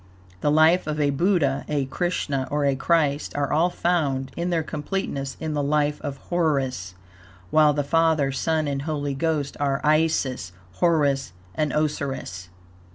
The life of a Buddha, a Krishna or a Christ, are all found in their completeness in the life of Horus; while the Father, Son and Holy Ghost are Isis, Horus and Osirus.